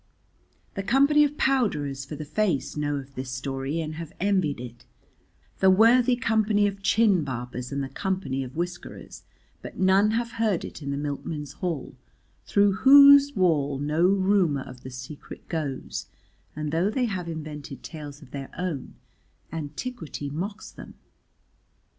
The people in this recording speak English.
The Company of Powderers for the Face know of this story and have envied it, the Worthy Company of Chin Barbers, and the Company of Whiskerers; but none have heard it in the Milkmen's Hall, through whose wall no rumour of the secret goes, and though they have invented tales of their own Antiquity mocks them.